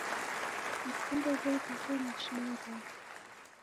Mkunde w'oruw'o na shida rake.